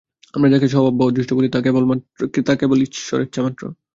আমরা যাকে স্বভাব বা অদৃষ্ট বলি, তা কেবল ঈশ্বরেচ্ছা মাত্র।